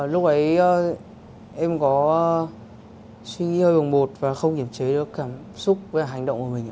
lúc ấy em có suy nghĩ hơi bồng bột và không kiềm chế được cảm xúc và hành động của mình ạ